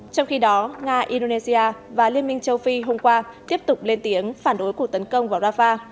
trong khi đó nga indonesia và liên minh châu phi hôm qua tiếp tục lên tiếng phản đối cuộc tấn công vào rafah